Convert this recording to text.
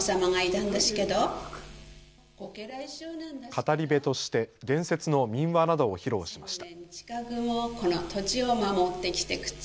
語り部として伝説の民話などを披露しました。